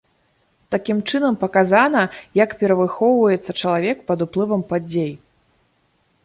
Такім чынам паказана, як перавыхоўваецца чалавек пад уплывам падзей.